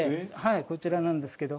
こちらなんですけど。